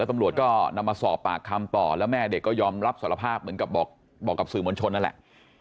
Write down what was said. ตำรวจก็นำมาสอบปากคำต่อแล้วแม่เด็กก็ยอมรับสารภาพเหมือนกับบอกกับสื่อมวลชนนั่นแหละ